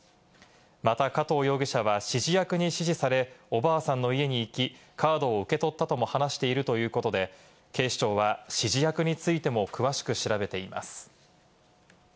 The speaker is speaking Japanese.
また加藤容疑者は指示役に指示され、おばあさんの家に行き、カードを受け取ったとも話しているということで、警視庁は指示役についても詳しく調べています。